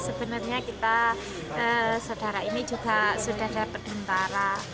sebenarnya kita saudara ini juga sudah ada perhentara